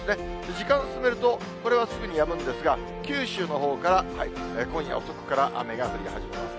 時間進めると、これはすぐにやむんですが、九州のほうから、今夜遅くから雨が降り始めます。